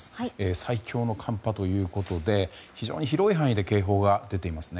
最強の寒波ということで非常に広い範囲で警報が出ていますね。